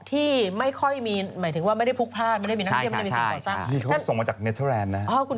ที่ก่อที่ไม่ค่อยไม่ซักพลังเขาส่งมาจากเน็ตเทอร์แลนด์นะครับ